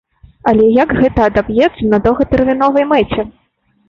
Але як гэта адаб'ецца на доўгатэрміновай мэце?